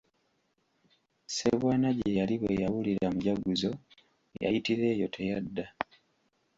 Ssebwana gye yali bwe yawulira mujaguzo, yayitira eyo teyadda.